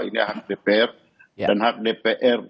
ini hak dpr dan hak dpr